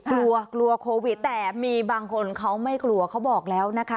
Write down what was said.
กลัวกลัวโควิดแต่มีบางคนเขาไม่กลัวเขาบอกแล้วนะคะ